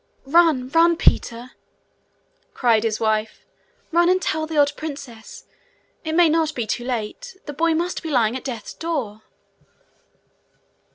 'Run, run, Peter!' cried his wife. 'Run and tell the old princess. It may not be too late. The boy must be lying at death's door.'